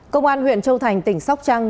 công an huyện châu thành tỉnh sóc trăng